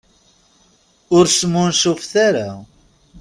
Ur smuncufet ara.